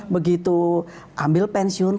begitu ambil pensiun